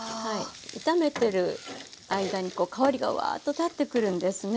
炒めてる間に香りがわあっと立ってくるんですね。